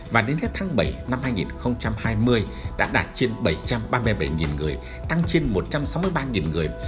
và đến hết tháng bảy năm hai nghìn hai mươi đã đạt trên bảy trăm ba mươi bảy người tăng trên một trăm sáu mươi ba người